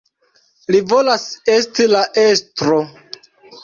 Li volas esti la estro.